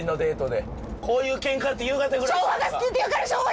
こういうケンカって夕方ぐらいちゃうんか？